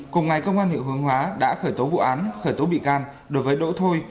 cùng ngày công an huyện hướng hóa đã khởi tố vụ án khởi tố bị can đối với đỗ thôi